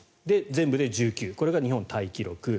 全部で１９、これがタイ記録。